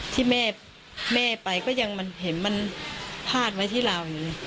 ที่แม่ไปก็ยังเห็นมันพาดไว้ที่เรา